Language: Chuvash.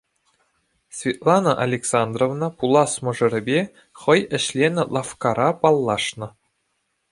Светлана Александровна пулас мӑшӑрӗпе хӑй ӗҫленӗ лавккара паллашнӑ.